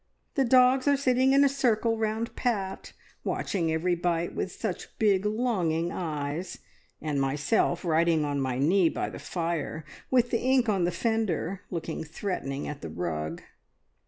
The dogs are sitting in a circle round Pat, watching every bite with such big, longing eyes, and myself writing on my knee by the fire, with the ink on the fender, looking threatening at the rug!